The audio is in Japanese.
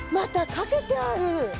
掛けてある。